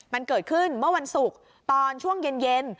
มันเกิดขึ้นเมื่อวันศุกร์ตอนช่วงเย็น